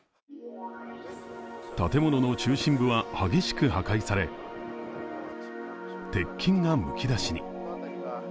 建物の中心部は激しく破壊され、鉄筋がむき出しに。